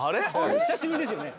お久しぶりですよね？